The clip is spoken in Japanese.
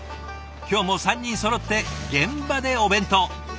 今日も３人そろって現場でお弁当。